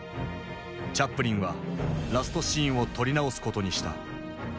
チャップリンはラストシーンを撮り直すことにした。